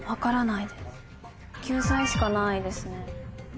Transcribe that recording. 救済しかないですね。